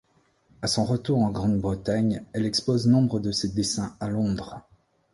À son retour en Grande-Bretagne, elle expose nombre de ses dessins à Londres.